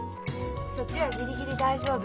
そっちはギリギリ大丈夫。